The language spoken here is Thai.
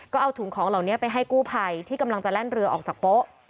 ก็เอาถุงของเหล่านี้ไปให้กู้ภัยที่กำลังจะแล่นเรือออกจากโป๊ะ